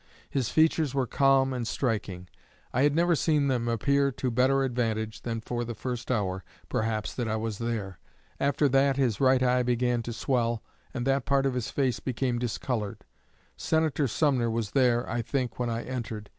His features were calm and striking. I had never seen them appear to better advantage than for the first hour, perhaps, that I was there. After that, his right eye began to swell and that part of his face became discolored ... Senator Sumner was there, I think, when I entered.